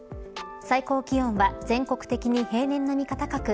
最高気温は全国的に平年並みか高く